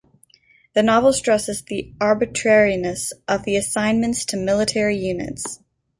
The novel stresses the arbitrariness of the assignments to military units.